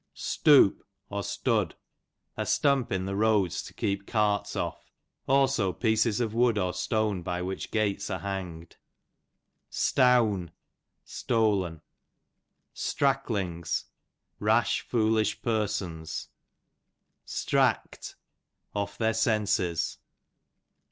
'a stump in the roads to Stoop, keep carts off; also pieces Stud, ^qf wood or stone by which gates are hang'd. Stown, stolen. Stracklings, rash, foolish persons. Stract, off their senses.